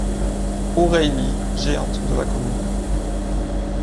Aureily, géante de la commune.